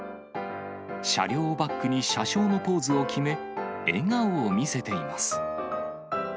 車両をバックに車掌のポーズを決め、笑顔を見せています。